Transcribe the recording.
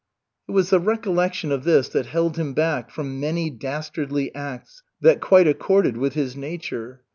'" It was the recollection of this that held him back from many dastardly acts that quite accorded with his nature.